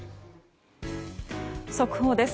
速報です。